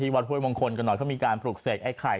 วัดห้วยมงคลกันหน่อยเขามีการปลูกเสกไอ้ไข่